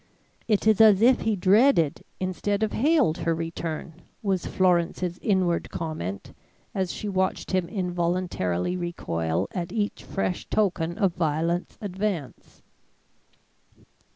"It is as if he dreaded, instead of hailed, her return," was Florence's inward comment as she watched him involuntarily recoil at each fresh token of Violet's advance.